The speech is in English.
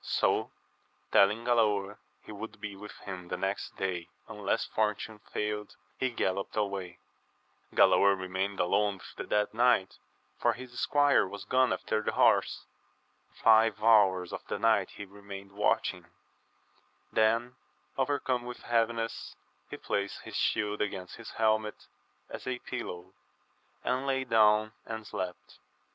So telling Galaor he would be with him the next day unless fortune failed, he gallopped away. Galaor retrained alone with the dead knight, for his squire was gone after the horse. Five hours of the night he remained watching; then, overcome with heaviness, he placed his shield against his helmet as a {pillow, and lay down and slept.